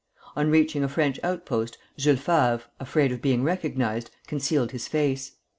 On reaching a French outpost Jules Favre, afraid of being recognized, concealed his face.